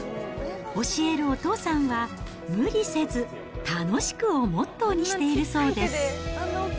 教えるお父さんは、無理せず楽しくをモットーにしているそうです。